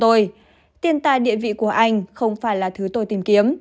tuy nhiên tiền tài địa vị của anh không phải là thứ tôi tìm kiếm